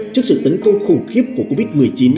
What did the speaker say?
trước sự tấn công khủng khiếp của covid một mươi chín